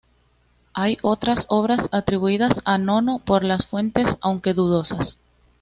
Hay otras obras atribuidas a Nono por las fuentes, aunque dudosas.